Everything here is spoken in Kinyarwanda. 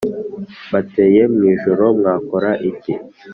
Mbateye mwijoro mwakora iki